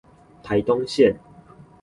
台東線